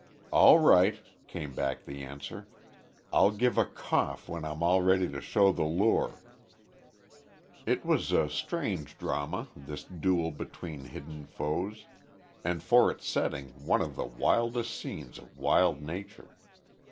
"All right," came back the answer. "I'll give a cough when I'm all ready to show the lure." It was a strange drama this duel between hidden foes, and for its setting one of the wildest scenes of wild Nature.